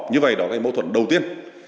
như vậy đó là mô thuẫn đầu tiên